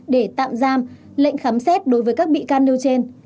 để tạm giam lệnh khám xét đối với các bị can nêu trên